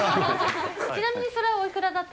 ちなみにそれはおいくらだっ